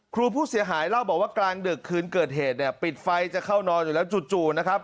ครูผู้เสียหายเล่าบอกว่ากลางดึกคืนเกิดเหตุเนี่ยปิดไฟจะเข้านอนอยู่แล้วจู่นะครับ